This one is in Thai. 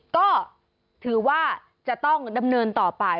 ก็ถือว่าจะต้องดำเนินต่อไป